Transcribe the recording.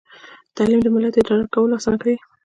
تعلیم د ملت اداره کول اسانه کوي.